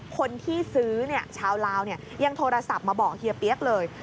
คนที่ซื้อชาวลาวยังโทรศัพท์มาบอกเฮียเปี๊ยกเลย